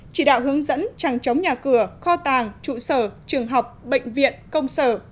chỉ đạo hướng dẫn chẳng chống nhà cửa kho tàng trụ sở trường học bệnh viện công sở